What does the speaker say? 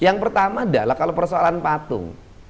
yang pertama adalah kalau persoalan patung